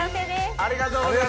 ありがとうございます。